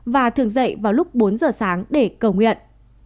và thường dậy vào lúc bốn giờ sáng để cầu nguyện